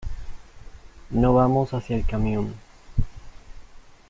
No vamos hacia el camión.